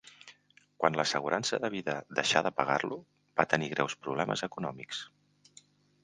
Quan l'assegurança de vida deixà de pagar-lo, va tenir greus problemes econòmics.